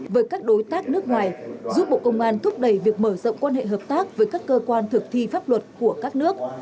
với các đối tác nước ngoài giúp bộ công an thúc đẩy việc mở rộng quan hệ hợp tác với các cơ quan thực thi pháp luật của các nước